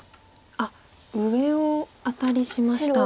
上をアタリしました。